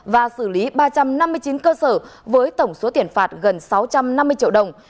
và xử lý ba trăm năm mươi chín cơ sở với tổng số tiền phạt gần sáu trăm năm mươi triệu đồng